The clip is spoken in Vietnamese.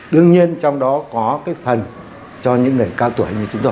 đương nhiên trong đó có cái phần cho những người cao tuổi như chúng tôi